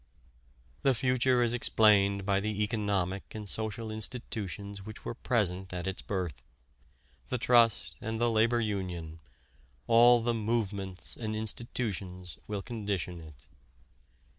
The future is explained by the economic and social institutions which were present at its birth: the trust and the labor union, all the "movements" and institutions, will condition it.